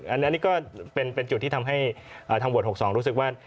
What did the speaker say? อันนี้ก็เป็นจุดที่ทำให้ทางบวช๖๒รู้สึกว่า